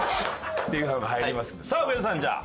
さあ上田さんじゃあ。